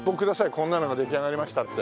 こんなのが出来上がりましたって。